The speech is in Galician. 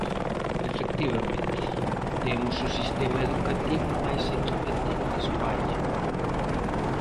Efectivamente, temos o sistema educativo máis equitativo de España.